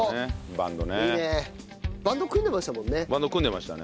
バンド組んでましたね。